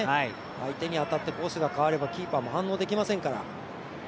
相手に当たってコースが変わればキーパーも反応できませんから。